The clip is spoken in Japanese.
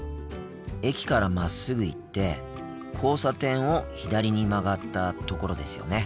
駅からまっすぐ行って交差点を左に曲がったところですよね？